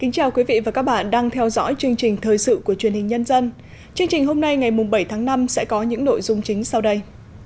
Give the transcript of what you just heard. chương trình hôm nay ngày bảy tháng năm sẽ có những nội dung chính sau đây